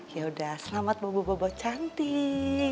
yaudah selamat bobo bobo cantik